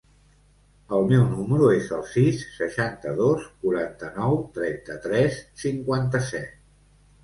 El meu número es el sis, seixanta-dos, quaranta-nou, trenta-tres, cinquanta-set.